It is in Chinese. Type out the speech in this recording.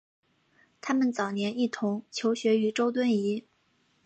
他们早年一同求学于周敦颐。